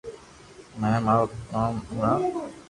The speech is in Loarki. مني مارو نوم ھڻاو